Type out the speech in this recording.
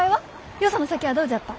よその酒はどうじゃった？